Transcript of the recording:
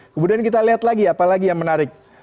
kemudian kita lihat lagi apalagi yang menarik